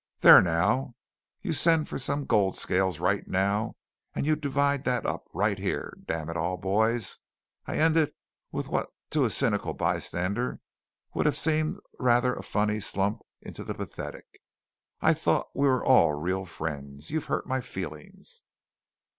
"There! Now you send for some gold scales, right now, and you divide that up! Right here! Damn it all, boys," I ended, with what to a cynical bystander would have seemed rather a funny slump into the pathetic, "I thought we were all real friends! You've hurt my feelings!"